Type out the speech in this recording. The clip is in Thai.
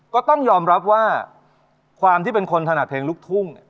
ก็ต้องยอมรับว่าความที่เป็นคนถนัดเพลงลูกทุ่ง